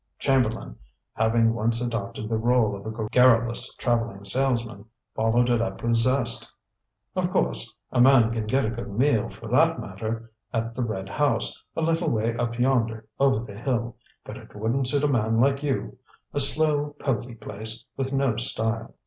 Chamberlain, having once adopted the role of a garrulous traveling salesman, followed it up with zest. "Of course, a man can get a good meal, for that matter, at the Red House, a little way up yonder over the hill. But it wouldn't suit a man like you a slow, poky place, with no style."